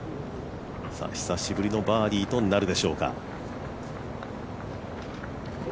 久しぶりのバーディーとなるでしょうか。